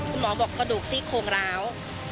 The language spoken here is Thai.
คุณหมอบอกกระดูกซี่โครงร้าว